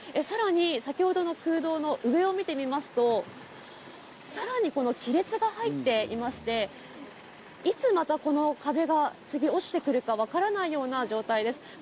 さらに先ほどの空洞の上を見てみますと、さらに亀裂が入っていまして、いつまたこの壁が次落ちてくるかわからないような状態です。